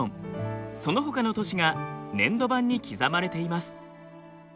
そのほかの都市が粘土板に刻まれています。